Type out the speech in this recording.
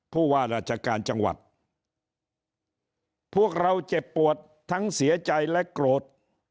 ผู้ว่าราชการจังหวัดพวกเราเจ็บปวดทั้งเสียใจและโกรธ